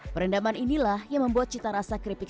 perendaman inilah yang membuat cita rasa keripik